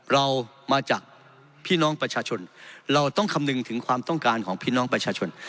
เรามาจากพี่น้องประชาชนเราต้องคำนึงถึงความต้องการของพี่น้องประชาชน